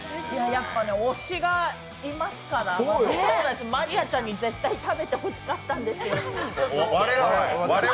やっぱね推しがいますから真莉愛ちゃんに絶対食べてほしかったんですよ。